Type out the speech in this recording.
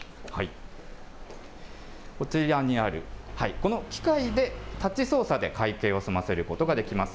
こちらにあるこの機械で、タッチ操作で会計を済ますことができます。